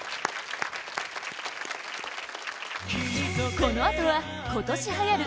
このあとは、今年流行る！